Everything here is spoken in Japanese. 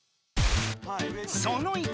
その１！